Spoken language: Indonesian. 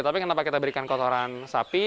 tapi kenapa kita berikan kotoran sapi